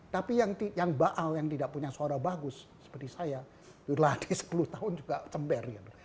tapi yang baal yang tidak punya suara bagus seperti saya lagi sepuluh tahun juga cember gitu